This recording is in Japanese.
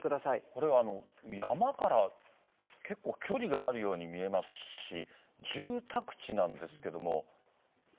これは山から結構距離があるように見えますし、住宅地なんですけども。